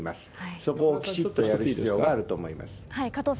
そこをきちっとやる必要があると思います。